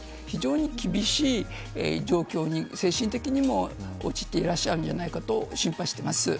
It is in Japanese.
非常に厳しい状況に、精神的にも陥っていらっしゃるんじゃないかと心配しています。